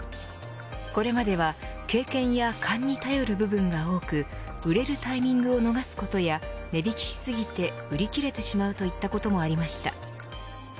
これまでは経験や勘に頼る部分が多く売れるタイミングを逃すことや値引きし過ぎて売り切れてしまうといったこともありました。